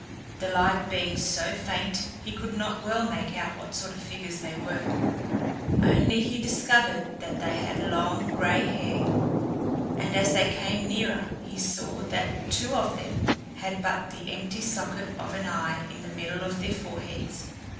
The light being so faint, he could not well make out what sort of figures they were; only he discovered that they had long gray hair, and as they came nearer he saw that two of them had but the empty socket of an eye in the middle of their foreheads.